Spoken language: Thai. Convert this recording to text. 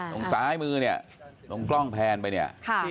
ตรงซ้ายมือเนี่ยตรงกล้องแพนไปเนี่ย